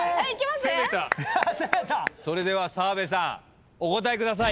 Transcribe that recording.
それでは澤部さんお答えください。